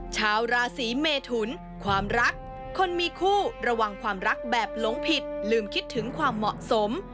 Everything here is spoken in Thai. ชาวราศีเมทุนความรักคนมีคู่ระวังความรักแบบหลงผิดลืมคิดถึงความเหมาะสม